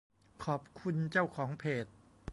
ขอบคุณเจ้าของเพจ